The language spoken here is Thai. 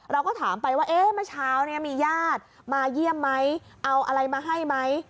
เราก็ถามไปว่าเอ๊ะเมื่อเช้าเนี่ยมีญาติมาเยี่ยมไหมเอาอะไรมาให้ไหม